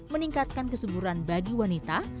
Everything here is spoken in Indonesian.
meningkatkan kesungguhan bagi wanita